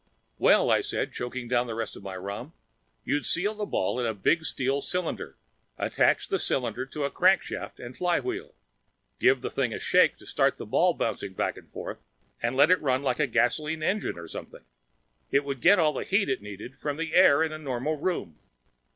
"Well," I said, choking down the rest of my rum, "you'd seal the ball in a big steel cylinder, attach the cylinder to a crankshaft and flywheel, give the thing a shake to start the ball bouncing back and forth, and let it run like a gasoline engine or something. It would get all the heat it needed from the air in a normal room.